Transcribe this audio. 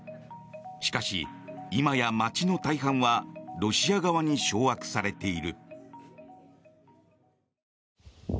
しかし今や街の大半はロシア側に掌握されている。